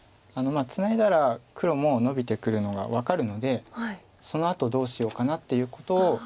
ツナいだら黒もノビてくるのが分かるのでそのあとどうしようかなっていうことを。